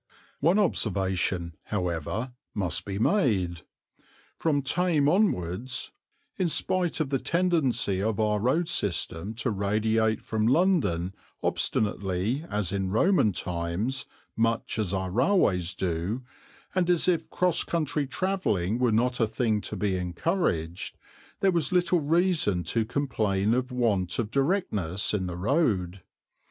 One observation, however, must be made. From Thame onwards, in spite of the tendency of our road system to radiate from London obstinately as in Roman times, much as our railways do, and as if cross country travelling were not a thing to be encouraged, there was little reason to complain of want of directness in the road.